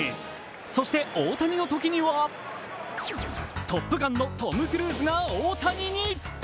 そして大谷の時には「トップガン」のトム・クルーズが大谷に。